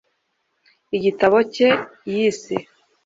igitabo cye yise